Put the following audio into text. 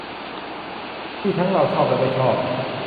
ทั้งที่เราชอบและไม่ชอบ